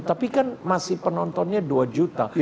tapi kan masih penontonnya dua juta